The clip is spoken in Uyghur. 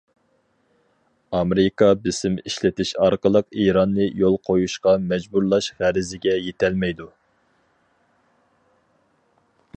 ئامېرىكا بېسىم ئىشلىتىش ئارقىلىق ئىراننى يول قويۇشقا مەجبۇرلاش غەرىزىگە يېتەلمەيدۇ.